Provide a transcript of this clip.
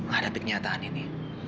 menghadapi kenyataan ini